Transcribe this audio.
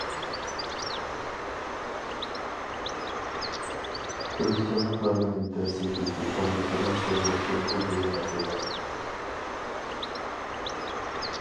تىرىشچانلىقلارنىڭ يېتەرسىزلىكى توغرىسىدا سۆزلەشتىن ئۆزىنى قاچۇرغان.